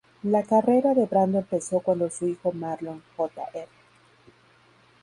La carrera de Brando empezó cuando su hijo Marlon Jr.